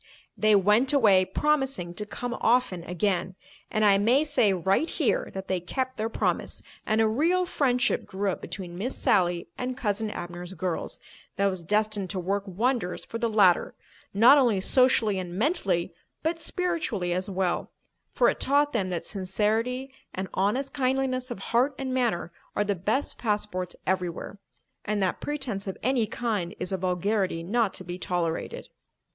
They went away promising to come often again; and I may say right here that they kept their promise, and a real friendship grew up between Miss Sally and "Cousin Abner's girls" that was destined to work wonders for the latter, not only socially and mentally but spiritually as well, for it taught them that sincerity and honest kindliness of heart and manner are the best passports everywhere, and that pretence of any kind is a vulgarity not to be tolerated.